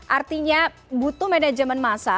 artinya butuh manajemen masa